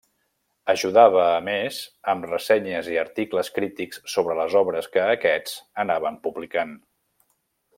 Ajudava, a més, amb ressenyes i articles crítics sobre les obres que aquests anaven publicant.